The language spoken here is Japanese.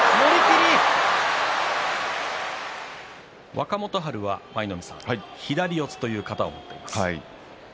若元春は左四つという型を持っています。